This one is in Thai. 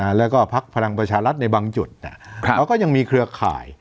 แล้วก็พักพลังประชารัฐในบางจุดนะครับเราก็ยังมีเครือข่าย